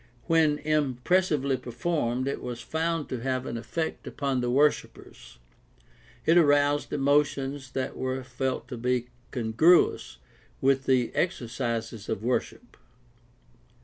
When impressively performed it was found to have an effect upon the worshipers. It aroused emotions that were felt to be congruous with the exercises of worship.